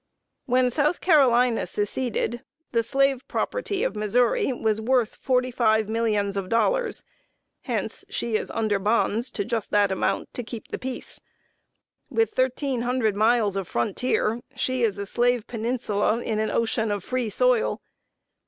When South Carolina seceded, the slave property of Missouri was worth forty five millions of dollars; hence she is under bonds to just that amount to keep the peace. With thirteen hundred miles of frontier, she is "a slave peninsula in an ocean of free soil."